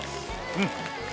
うん。